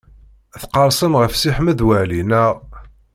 Tqerrsem ɣef Si Ḥmed Waɛli, naɣ?